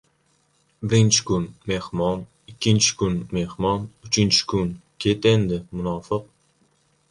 • Birinchi kun ― “mehmon”, ikkinchi kun ― “mehmon”, uchinchi kun ― ket endi, munofiq.